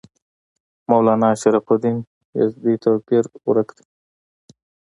مولنا شرف الدین یزدي توپیر ورک دی.